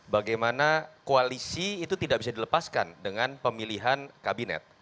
bagaimana koalisi itu tidak bisa dilepaskan dengan pemilihan kabinet